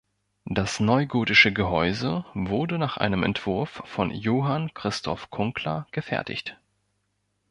Das neugotische Gehäuse wurde nach einem Entwurf von Johann Christoph Kunkler gefertigt.